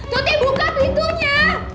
tuti buka pintunya